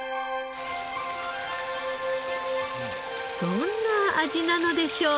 どんな味なのでしょう？